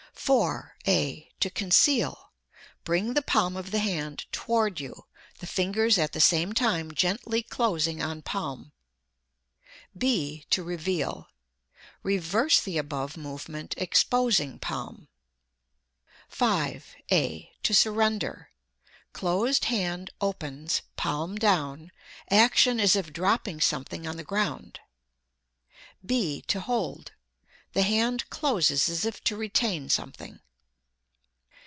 4. (a) To conceal: bring the palm of the hand toward you, the fingers at the same time gently closing on palm; (b) to reveal: reverse the above movement, exposing palm. 5. (a) To surrender: closed hand opens, palm down, action as if dropping something on the ground; (b) to hold: the hand closes as if to retain something.